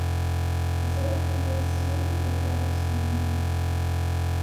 Ẓriɣ-t la yessirid takeṛṛust-nni.